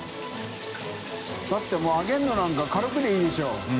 世辰もう揚げるのなんか軽くでいいでしょ。